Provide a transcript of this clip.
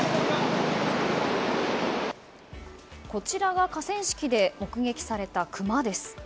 こちらが河川敷で目撃されたクマです。